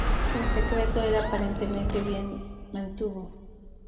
El secreto era aparentemente bien mantuvo.